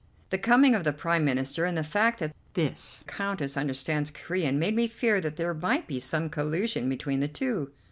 The coming of the Prime Minister, and the fact that this Countess understands Corean, made me fear that there might be some collusion between the two."